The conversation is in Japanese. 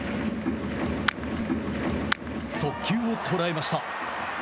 速球を捉えました。